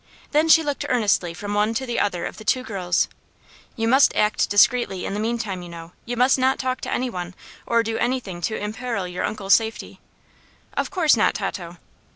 Then she looked earnestly from one to the other of the two girls. "You must act discreetly, in the meantime, you know. You must not talk to anyone, or do anything to imperil your uncle's safety." "Of course not, Tato."